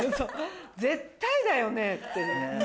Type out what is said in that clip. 絶対だよねえ？っていう。